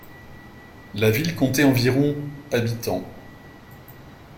La ville comptait environ habitants.